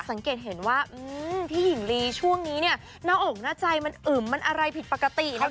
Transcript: สังเกตเห็นว่าพี่หญิงลีช่วงนี้เนี่ยหน้าอกหน้าใจมันอึมมันอะไรผิดปกตินะคะ